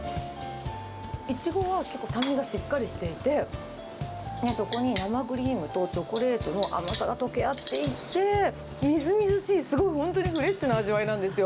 イチゴは結構、酸味がしっかりしていて、そこに生クリームとチョコレートの甘さが溶け合っていって、みずみずしい、すごい本当にフレッシュな味わいなんですよ。